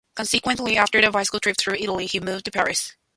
Consequently, after a bicycle trip through Italy, he moved to Paris.